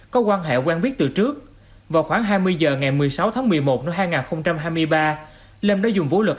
có quan hệ quen biết từ trước vào khoảng hai mươi h ngày một mươi sáu tháng một mươi một năm hai nghìn hai mươi ba lâm đã dùng vũ lực